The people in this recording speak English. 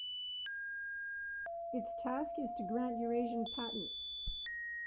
Its task is to grant Eurasian patents.